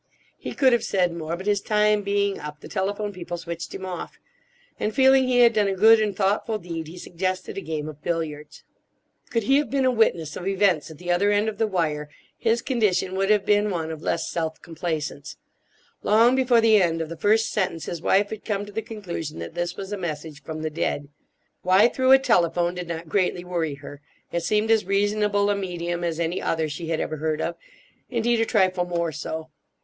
He could have said more, but his time being up the telephone people switched him off; and feeling he had done a good and thoughtful deed, he suggested a game of billiards. Could he have been a witness of events at the other end of the wire, his condition would have been one of less self complacence. Long before the end of the first sentence his wife had come to the conclusion that this was a message from the dead. Why through a telephone did not greatly worry her. It seemed as reasonable a medium as any other she had ever heard of—indeed a trifle more so.